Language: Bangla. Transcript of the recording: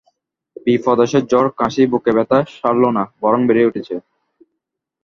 বিপ্রদাসের জ্বর, কাশি, বুকে ব্যাথা সারল না– বরং বেড়ে উঠছে।